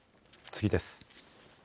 次です。